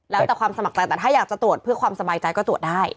แล้วแต่ความสมัครใจแต่ถ้าอยากจะตรวจเพื่อความสบายใจก็ตรวจได้